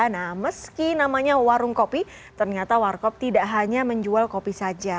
nah meski namanya warung kopi ternyata warkop tidak hanya menjual kopi saja